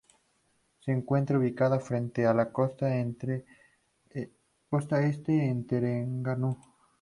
Se encuentra ubicada frente a la costa este de Terengganu.